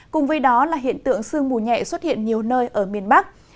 cùng với đó là hiện tượng sương mù nhẹ xuất hiện nhiều nơi ở miền bắc